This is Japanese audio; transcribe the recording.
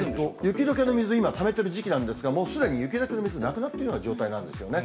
雪どけの水ためている時期なんですが、もうすでに雪どけの水なくなっているような状態なんですよね。